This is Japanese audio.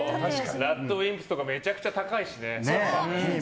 ＲＡＤＷＩＭＰＳとかめちゃめちゃ高いしね。